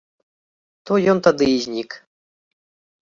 То ён тады і знік.